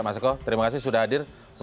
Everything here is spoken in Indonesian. mas eko terima kasih sudah hadir